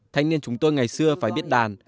thanh niên chúng tôi ngày xưa phải biết đàn